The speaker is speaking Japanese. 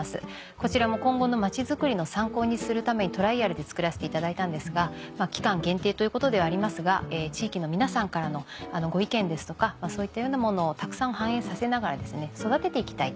こちらも今後の街づくりの参考にするためにトライアルで造らせていただいたんですが期間限定ということではありますが地域の皆さんからのご意見ですとかそういったようなものをたくさん反映させながら育てて行きたいと。